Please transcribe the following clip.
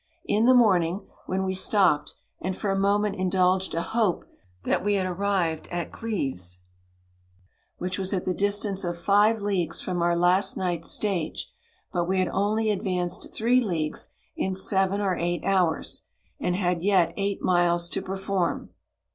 In the morning when we stop ped, and for a moment indulged a hope that we had arrived at Cloves, which was at the distance of five leagues from our last night's stage ; but we had only advanced three leagues in seven or eight hours, and had yet eight miles to perform.